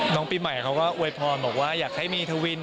ปีใหม่เขาก็อวยพรบอกว่าอยากให้เมทวิน